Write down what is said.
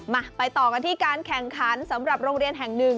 มาไปต่อกันที่การแข่งขันสำหรับโรงเรียนแห่งหนึ่ง